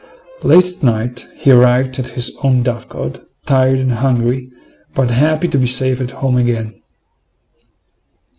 Late at night he arrived at his own dovecote, tired and hungry, but happy to be safe at home again.